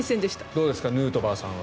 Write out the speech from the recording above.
どうですかヌートバーさんは。